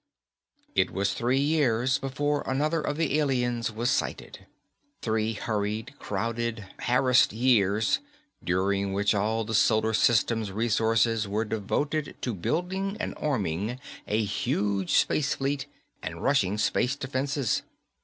It was three years before another of the aliens was sighted. Three hurried, crowded, harassed years during which all the Solar System's resources were devoted to building and arming a huge space fleet and rushing space defenses.